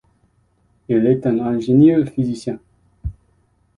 Il est un ingénieur-physicien.